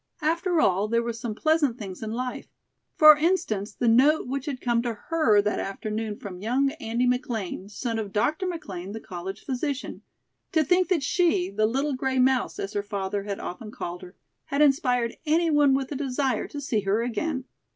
After all, there were some pleasant things in life. For instance, the note which had come to her that afternoon from young Andy McLean, son of Dr. McLean, the college physician. To think that she, "the little gray mouse," as her father had often called her, had inspired any one with a desire to see her again.